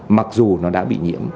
mặc dù nó đã bị nhiễm